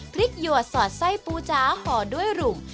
หยวดสอดไส้ปูจ๋าห่อด้วยหลุม